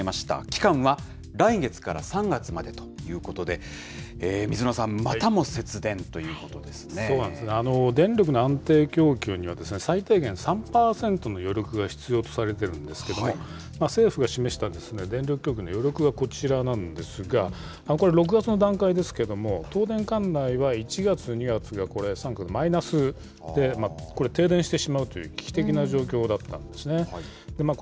期間は来月から３月までということで、水野さん、そうなんですね、電力の安定供給には、最低限、３％の余力が必要とされてるんですけれども、政府が示した電力供給の余力がこちらなんですが、これ、６月の段階ですけれども、東電管内は１月、２月がこれ三角、マイナスで、これ、停電してしまうという危機的な状況だったんですね。